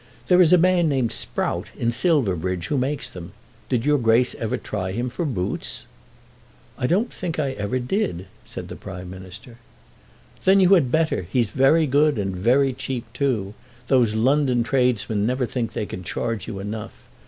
"There is a man named Sprout in Silverbridge who makes them. Did your Grace ever try him for boots?" "I don't think I ever did," said the Prime Minister. "Then you had better. He's very good and very cheap too. Those London tradesmen never think they can charge you enough.